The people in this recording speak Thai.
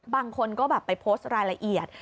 บางคนก็แบบไปโพสต์รายละเอียด